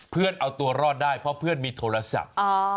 เพื่อนเอาตัวรอดได้เพราะเพื่อนมีโทรศัพท์